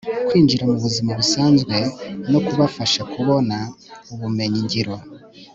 kwinjira mu buzima busazwe no kubafasha kubona ubumenyi ngiro